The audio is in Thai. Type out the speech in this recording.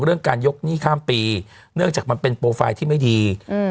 เรื่องการยกหนี้ข้ามปีเนื่องจากมันเป็นโปรไฟล์ที่ไม่ดีอืม